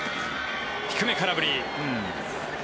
低め、空振り。